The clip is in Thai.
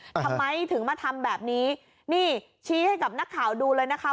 ทำไมถึงมาทำแบบนี้นี่ชี้ให้กับนักข่าวดูเลยนะคะ